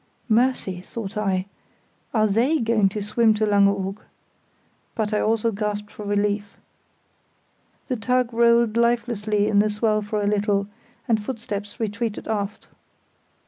"Mercy!" thought I, "are they going to swim to Langeoog?" but I also gasped for relief. The tug rolled lifelessly in the swell for a little, and footsteps retreated aft.